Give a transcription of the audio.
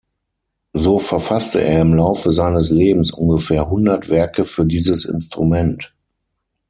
So verfasste er im Laufe seines Lebens ungefähr hundert Werke für dieses Instrument.